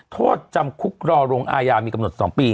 โทษจำคุกรอลงอายามีกำหนด๒ปี